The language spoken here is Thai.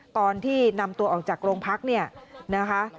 ตอนที่นำตัวออกจากโรงพักเนี่ยนะคะ